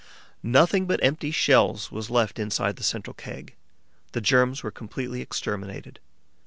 Nothing but empty shells was left inside the central keg; the germs were completely exterminated.